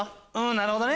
なるほどね。